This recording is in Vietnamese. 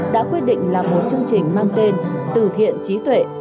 đã quyết định làm một chương trình mang tên từ thiện trí tuệ